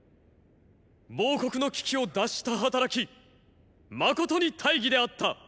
亡国の危機を脱した働き真に大儀であった！！